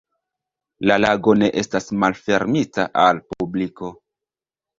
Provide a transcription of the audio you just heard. La lago ne estas malfermita al publiko.